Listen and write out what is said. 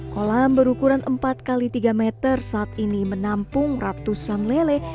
kolam berukuran empat x tiga meter saat ini menampung ratusan lele